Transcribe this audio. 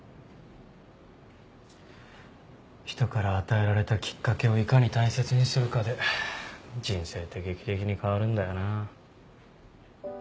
ひとから与えられたきっかけをいかに大切にするかで人生って劇的に変わるんだよな。